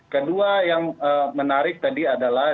kedua yang menarik tadi adalah